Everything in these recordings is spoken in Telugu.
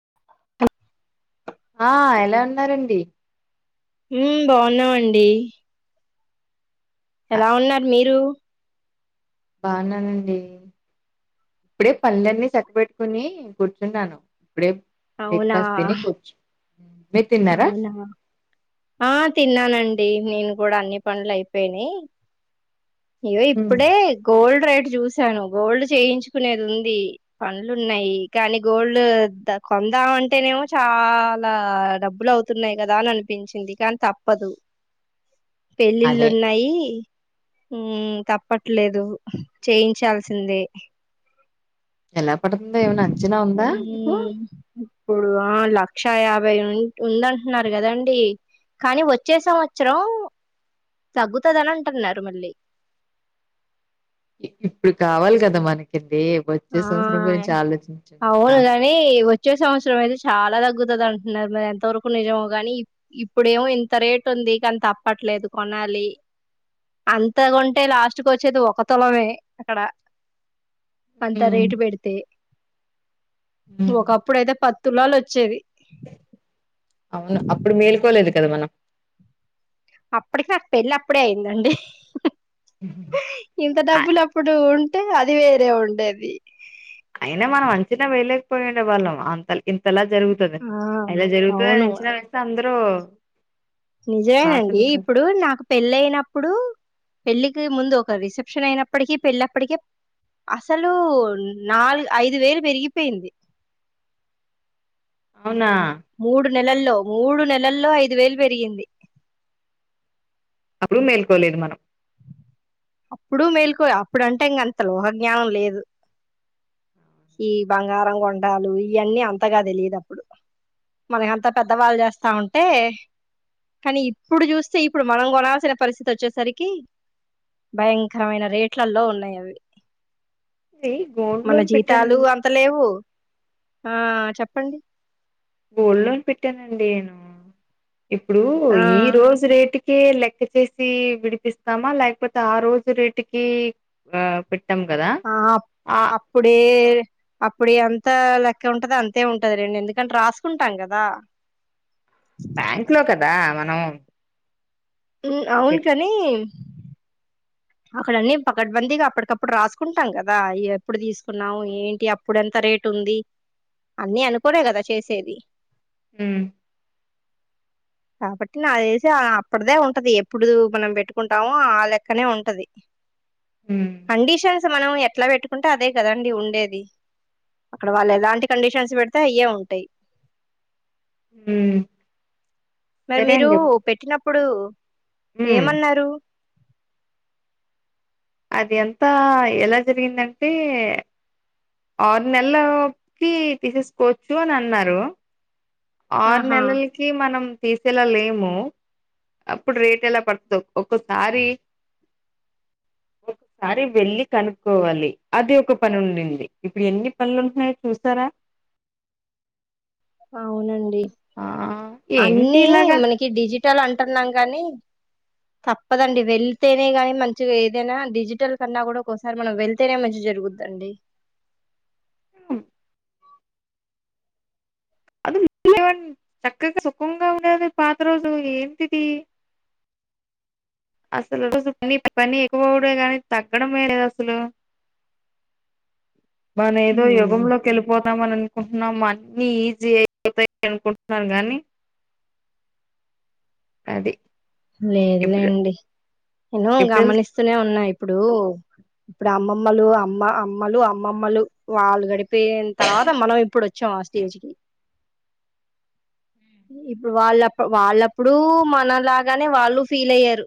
[inaudible] ఆ ఎలా ఉన్నరండి హ్మ్ బాగున్నామండి ఎల ఉన్నారు మీరు బా ఉన్నానండి ఇప్పుడే పనులన్నీ చక్క పెట్టుకుని కూర్చున్నాను ఇప్పుడే అవునా బ్రేక్ఫాస్ట్ తిని కూచ్చు హ [inaudible] అవునా ఆ తిన్నానం డి నేను కూడా అన్ని పనులు అయిపోయినయి ఇగో హ్మ్. ఇప్పుడే గోల్డ్ రేట్ చూసాను గోల్డ్ చేయించుకునేది ఉంది పనులు ఉన్నాయి కానీ గోల్డ్ కొందాం అంటేనేమో చాలా డబ్బు బ్బులు అవుతున్నాయి కదా అని అనిపించింది కాని తప్పదు పెళ్ళిళ్ళు అదే ఉన్నాయి హుమ్మ్ తప్పట్లేదు చేయించాల్సిందే ఎలా పడుతుందో ఏమనా అంచనా ఉందా హ్మ్ ఇప్పుడు ఆ లక్ష యాభై ఉందంటున్నారు కదండి కానీ వచ్చే సంవత్సరం తగ్గుతది అని అంటున్నారు మళ్ళీ ఇప్పుడు కావలి కదా మనకి దే వచ్చే ఆ సంవత్సరం గురించి ఆలోచించం కదా అవును గాని వచ్చే సంవత్సరం అయితే చాలా తగ్గుతది అంటున్నారు మరి ఎంత వరకు నిజమో కాని ఇప్పుడేమో ఇంత రేట్ ఉంది కాని తప్పట్లేదు కొనాలి అంత కొంటే లాస్ట్ కి వచ్చేది ఒక తులమే అక్కడ అంత హ్మ్. రేటు పెడితే హ్మ్. ఒకప్పుడైతే పద్తులాలు వచ్చేది అవును అప్పుడు మేలుకోలేదు కద మనం అప్పటిక ఆ పెళ్ళి అప్పుడే అయిందండి ఇంత అ డబ్బులు అప్పుడు ఉ అంటే అది వేరే ఉండేది అయినా మనం అంచనా వేయలే పోయిండేవాళ్ళం అంతల్ ఇంతలా జరుగుతది ఆ ఇలా జరుగుతుని అవును అంచనా వేస్తే అందరు ను నిజమేనండి ఇప్పుడు నాకు పెళ్ళయిన అప్పుడు పెళ్ళికి ముందు ఒక రిసెప్షన్ అయినప్పటికి పెళ్ళప్పటికే అసలు నాలుగు ఐదు వేలు పెరిగిపోయింది అవునా మూడు నెలల్లో మూడు నెలల్లో ఐదు వేలు పెరిగింది అప్పుడు మేల్కొలేదు మనం ఇప్పుడు మేల్కో అప్పుడుంటే ఇంకంత లోక జ్ఞానం లేదు ఈ బంగారం కొండాలు ఇవన్నీ అంతగా తెలియదు అప్పుడు మనకంత పెద్దవాళ్ళు చేస్తా ఉంటే కానీ ఇప్పుడు చూస్తే ఇప్పుడు మనం కొనాల్సిన పరిస్థితి వచ్చేసరికి భయంకరమైన రేట్లల్లో ఉన్నాయి అవి ఇది గోల్డ్ మన లోన్ పెట్టాను జీతాలు అంత లేవు ఆ చెప్పండి గోల్డ్ లోన్ పెట్టానండి నేను ఇప్పుడూ ఆ ఈ రోజు రేటు లెక్క చేసి విడిపిస్తామా లేకపోతే ఆ రోజు రేటుకి ఆ పెట్ ఆ అప్పుడే అప్పుడు ఎంత లెక్క ఉంటది అంతే ఉంటది రండి ఎందుకంటే రాసుకుంటాం కదా బ్యాంక్ లో కదా మన మ్ అవును కానీ అక్కడన్నీ పకడ్బందీగా అప్పటికప్పుడు రాసుకుంటాం కదా ఎప్పుడు తీసుకున్నాం ఏంటి అప్పుడు ఎంత రేటు ఉంది అన్నీ అనుకునే కదా చేసేది మ్ కాబట్టి నాదెలిసి అప్పడదే ఉంటది ఎప్పుడు మనం పెట్టుకుంటామో ఆ లెక్కనే ఉంట అది ఉమ్ కండీషన్ మనం ఎట్లా పెట్టుకుంటే అదే కదండి ఉండేది అక్కడ వాళ్ళు ఎలాంటి కండిషన్స్ పెడితే అయ్యే ఉంటాయి మ్ మరి మీరు పెట్టినప్పుడు ఇప్పుడు ఉమ్ ఏమన్నారు అది అంతా ఎలా జరిగిందంటే ఆరు నెలలకి తీసేసుకోవచ్చు అని అన్నారు ఆరు ఆహా నెలలకి మనం తీసేలా లేము అప్పుడు రేట్ ఎలా పడతదొ ఒకసారి ఒకసారి వెళ్లి కనుక్కోవాలి అది ఒక పని ఉంది ఇప్పుడు ఎన్ని పనులు ఉన్నాయో చూసారా అవునండి ఆ ఏంటి అన్నీ ఇలాగా మనకి డిజిటల్ అంటె అనుకున్నాం గాని తప్పదండి వెళ్తేనే గానీ మంచిగా ఏదైనా డిజిటల్ కన్నా కూడా ఒక్కోసారి మనం వెళ్తేనే మంచి జరుగుద్దండి ఉ అది చక్కగా సుఖంగా ఉండేది పాత రోజు ఏంటిది అసలు పని ఎక్కువవడమే కానీ తగ్గడమే లేదు అసలు మన ఏదో ఉమ్ యుగంలో లోకి వెళ్ళిపోతామని అనుకు టున్నాము అన్ని ఈజీ అయిపోతాయి అనుకుంటున్నాను గానీ అది ఎప్పుడు లేదులేండి మినిమం ఎప్పుడు గమనిస్తూనే ఉన్నాయి ఇప్పుడూ ఇప్పుడు అమ్మమ్మలు అమ్మ అమ్మలు అమ్మమ్మలు వాళ్ళు గడిపి పెయిన తర్వాత మనం ఇప్పుడు వ వచ్చాం స్టేజ్ కి ఇప్పుడు వాళ్ళ వాళ్ళప్పుడు మనలాంటి కాగానే వాళ్ళు ఫీల్ అయ్యారు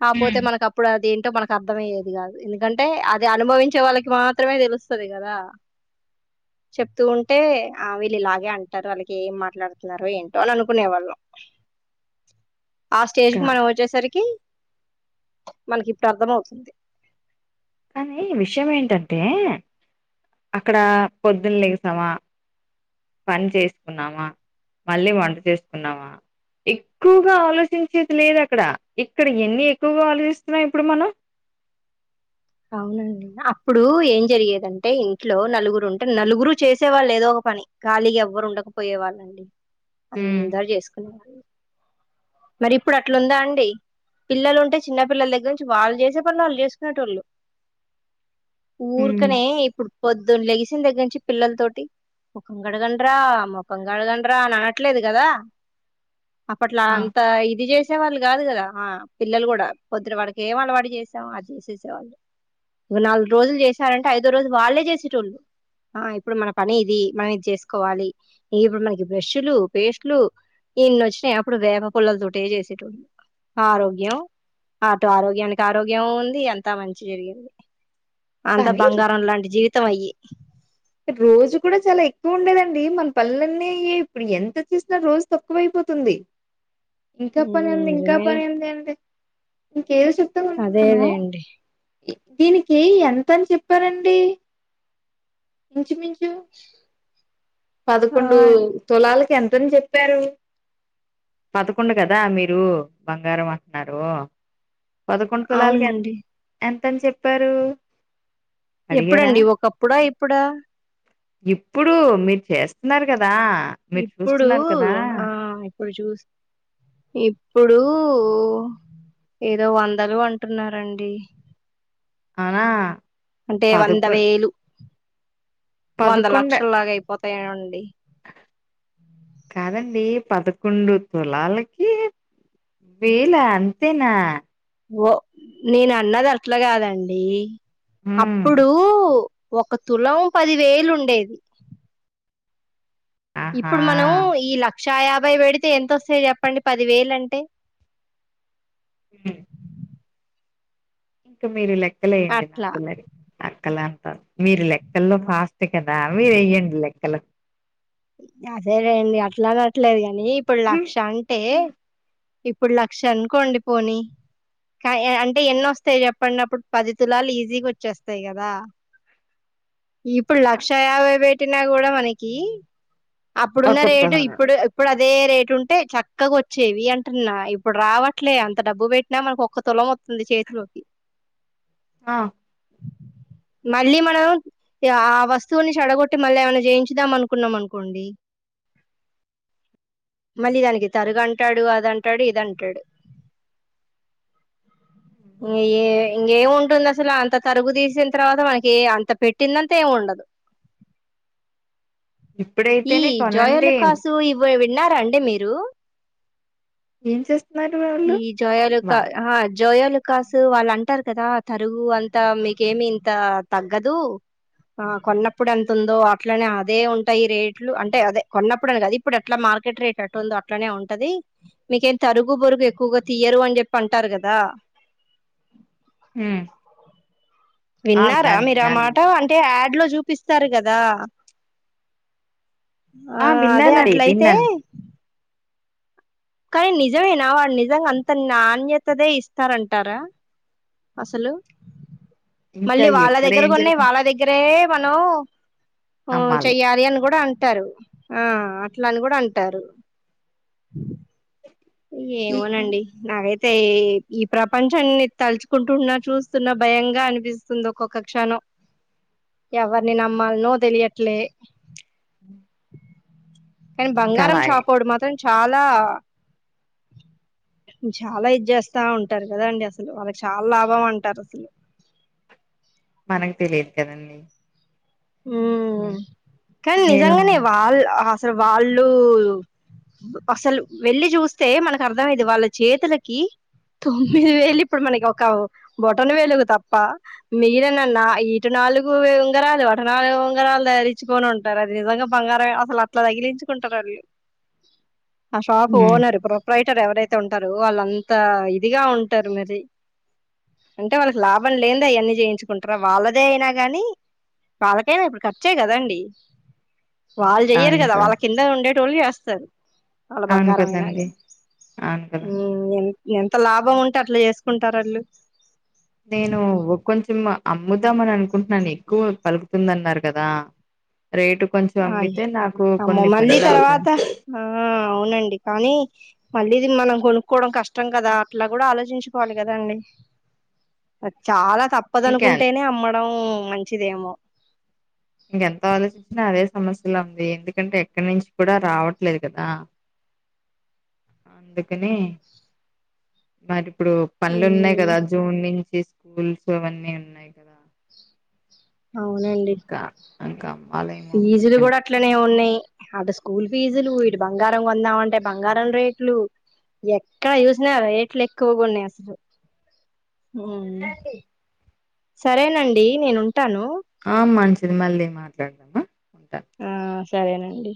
కాపోతే ఉమ్ మనకు అప్పుడు అదేంటి మనకు అర్థమయ్యేది కాదు ఎందుకంటే అది అనుభవించే వాళ్ళకి మాత్రమే తెలుస్తుది కదా చెప్తూ ఉంటే ఆ వీళ్ళు ఇలాగే అంటారు వాళ్ళకి ఏం మాట్లాడుతున్నారో ఏంటో అని అనుకునే వాళ్ళం ఆ స్టేజ్ కి మనం వచ్చేసరికి మనకి ఇప్పుడు అర్థం అవుతుంది కానీ విషయం ఏంటంటే అక్కడ పొద్దున్న లేగిసామా పని చేసుకున్నామా మళ్ళీ వంట చేసుకున్నామా ఎక్కువగా ఆలోచించేది లేదు అక్కడ ఇక్కడ ఎన్ని ఎక్కువగా ఆలోచిస్తున్నామ్ ఇప్పుడు మనం అవునండి అప్పుడు ఏం జరిగేదంటే ఇంట్లో నలుగురు ఉంటే నలుగురు చేసే వాళ్ళు ఏదో ఒక పని ఖాళీగా ఎవ్వరు ఉండకపోయే వాళ్ళండి హ్మ్ అందరు చేసుకునేవా మరి ఇప్పుడు అట్లుందా అండి పిల్లలు ఉంటే చిన్నపిల్లల దగ్గర నుంచి వాళ్ళు చేసే పనులు వాళ్ళు చేసుకునేట్ వాళ్ళు హ్మ్ ఊర్కనే ఇప్పుడు పొద్దున్న లెగిసి దగ్గర నుంచి పిల్లల తోటి ముఖం కడగండరా ముఖం కడగండరా అని అనట్లేదు కదా అప్పట్లా ఆ ఇది చేసే వాళ్ళు కాదు కదా ఆ పిల్లలు కూడా పొద్దురు వాడికి ఏం వాడి చేసామో అది చేసేసేవాళ్ళు ఇ నాలుగు రోజులు చేసారంటే ఐదో రోజులు వాళ్ళే చేసేటళ్ళు ఆ ఇప్పుడు మన పని ఇది మనం ఇది చేసుకోవాలి ఇప్పుడు మనకి బ్రష్ లు పేస్ట్లు ఇన్ని వచ్చినాయి అప్పుడు వేప పుల్లలతోటే చేసేటోళ్లు ఆరోగ్యం అటు ఆరోగ్యానికి ఆరోగ్యం ఉంది అంతా మంచి జరిగింది అంతా కానీ బంగారం లాంటి జీవితం అయ్యి రోజు కూడా చాలా ఎక్కువ ఉండేదండి మన పనులన్నీ ఇప్పుడు ఎంత చేసినా రోజు తక్కువైపోతుంది ఇంకా ఉమ్, పనింది ఇంకా నిజమేనే పనింది ఏ ఏదో చెప్తాం అనుకున్నాను అదేలేండి దీనికి ఎంతని చెప్పారండి ఇంచుమించు ఆ పదకొండు తొలాలకి ఎంత అ చెప్పారు పదకొండు కదా మీరు బంగారం అంటున్నారు పదకొండు తులాలకి ఎ అవునండి ఎంత అతని చెప్పారు అడిగారా ఎప్పుడంండి ఒకప్పుడా ఇప్పుడా ఇప్పుడు మీరు చేస్తున్నారు కదా మీరు ఇప్పుడు చూస్తున్నారు కదా ఆ ఇప్పుడు చూ ఇప్పుడు ఏదో వందలు అంటున్నండి ఆ అంటే వంద వేలు వంద పదకొండు లక్షలలాగా అయిపోతే ఈనుండి కాదండి పదకొండు తులాలకి వీల అంతేనా ఓ నేను అన్నది అట్లా కాదండి ఉమ్ అప్పుడు ఒక తులం పది వేలుండేది ఆహా ఇప్పుడు మనం ఈ లక్ లక్ష యాభై పెడితే ఎంతొస్తాయి చెప్పండి పది వేలు అంటే మ్ ఇంకా మీరు లెక్ అక్కలేయ్యంది నా అట్లా పిల్లరికి అక్కలంతా మీరు లెక్కల్లో ఫాస్ట్ కదా మీరు వెయ్యండి లెక్కలు అదే లెండి అట్లా అట్లేక ని ఇప్పుడు లక్ష అంటే ఇప్పుడు లక్ష అనుకోండి పోని, కా అంటే ఎన్నొస్తాయి చెప్పడినప్పుడు పది తులాలు ఈజీగా వచ్చేస్తాయి కదా, ఇప్పుడు లక్ష యాభై పెట్టినా కూడా మనకి అప్పుడున్న ఒక రేటు తులం ఇప్పుడు ఇప్పుడు అదే రేటు ఉంటే చక్కగా వచ్చేవి అంటున్నా, ఇప్పుడు రావట్లే అంత డబ్బు పెట్టినా మనకు ఒక్క తులం వస్తుంది చేతిలోకి ఆ మళ్ళీ మనం ఆ వస్తువుని చెడగొట్టి మళ్ళీ ఏమైనా జయించుదాం అనుకున్నాం అనుకు కొండి మళ్ళీ దానికి తరుగు అంటాడు అద అంటాడు ఇద అంటాడు, ఇ ఇంకేముంటుంది అసలు అంత తరుగు తీసిన తర్వాత మనకి అంత పెట్టింది అంతా ఏమి ఉండదు. ఈ ఇప్పుడైతేనే జోయలు కొనండి కాసుూ ఇవ్వ విన్నారాండి మీరు ఏం చేస్తున్నారు వాళ్ళు ఈ జయోలకా వాయ్ జోయోలుకాస్ వాళ్ళు అంటారు కదా తరుగు అంత మీకేమి ఇంత తగ్గదు, ఆ కొన్నప్పుడు ఎంత ఉందో అట్లనే అదే ఉంటాయి రేట్ అట్ అంటే అదే కొన్నప్పుడు అని కద ఇప్పుడు ఎట్లా మార్కెట్ రేట్ ఎట్ ఉందో అట్లనే ఉంటది, మీకేం తరుగు బరుగు ఎక్కువగా తీయరు అని చెప్పి అంటారు కదా మ్ విన్నారా మీరుమాట అంటే అట్లో చూపిస్తారు కదా ఆ అదే విన్నానండి అట్లయితే విన్నాను కానీ నిజమేనా వాళు నిజంగా అంత నాణ్యతదే ఇస్తారంటారా అసలు ఇంకా మళ్ళీ వాళ్ళ ఎక్కడ ఏం దగ్గరగా ఉన్నాయి జరుగుతుంది వాళ్ళ దగ్గరే మన మ్ అమ్మాలి చెయ్యాలి అని కూడా అంట అంటారు ఆ అట్లని కూడా అంటారు ఏమోనండి నాకైతే అయితే ఈ ప్రపంచాన్ని తలుచుకుంటున్నా చూస్తున్నా భయంగా అనిపిస్తుంది ఒక్కొక్క క్షణం, ఎవరిని నమ్మాలనో తెలియట్లే హ కానీ బంగారం షాపోడు మాత్రం చాలా చాలా ఇది చేస్తా ఉంటారు కదాండి అసలు వాళ్ళకి చాలా లాభం అంటారు అసలు మనకు తెలియదు కదండీ ఊ కానీ నేను నిజాంగానే వాళ్లు అసలు వాళ్ళు అసలు వెళ్లి చూస్తే మనకు అర్థమైంది వాళ్ళ చేతులకి తొమ్మిది వేలు ఇప్పుడు మనకి ఒక బొటను వేళ్ళు తప్ప మిగిలిన ఈటు నాలుగు ఉంగరాలు నాలు బంగారాలు ధరించుకొని ఉంటారు అది నిజంగా బంగారం అసలు అట్లా తగిలించుకుంటారు వాళ్ళు ఆ షాపు హ్మ్ ఓనర్ ప్రోపైట్ ఎవరైతే ఉంటారు వాళ్ళుంతా ఇదిగా ఉంటారు మరి అంటే వాళ్ళకి లాభం లేనీదే అవన్ని చేయించుకుంటారా వాళ్ళదే అయినా గానీ వాళ్లకైనా ఇప్పుడు ఖర్చే కదండి వాళ్ళు చెయరు అవును కద కదా వాళ్ళ కింద ఉండే ట్రోల్ చేస్తారు వాళ్ళ అవును బంగారం అయినా గా కదండి అవును కదా ఉ ఎంత ఎంత లాభం ఉంటే అట్లా చేసుకుంటారు వాళ్ళు నేను కొంచెం అమ్ముద్దామని అనుకుంటున్నాను ఎక్కువ పలుకుతుందన్నారు కదా రేటు కొంచెం ఆయ్ అమ్మితే నాకు అమ్మో కొన్ని మళ్ళీ పనులు అవుతాయి తర్వాత ఆ అవునండి కానీ మళ్ళీ ఇది మనం కొనుక్కోవడం కష్టం కదా అట్లా కూడా ఆలోచించుకోవాలి కదాండి చాలా ఇంకా తప్పదనుకుంటేనే అమ్మడం మంచిదేమో ఇంకెంత ఆలోచించినా అదే సమస్యలు ఉంది ఎందుకంటే ఎక్కడి నుంచి కూడా రావట్లేదు కదా అందుకని మరి ఇప్పుడు పనులు ఉన్నాయి ఉమ్, కదా జూన్ నుంచి స్ స్కూల్స్ అవన్నీ ఉన్నాయి కదా అవునండి ఇంకా ఇంకా అవ్వాలేమో ఫీజులు అన్నన్ కూడా అట్లనే ఉన్నాయి అటు స్కూల్ ఫీజులు ఇటు బంగారం కొందామంటే బంగారం రేట్లు ఎక్కడ చూసినా రేట్లు ఎక్కువగా ఉన్నాయి అసలు ఊ సరేనండి నేను ఉంటాను ఆ మంచిది మళ్ళీ మాట్లాడదమా ఉంటా ఆ సరేనండి